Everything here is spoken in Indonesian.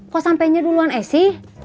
kok sampenya duluan esy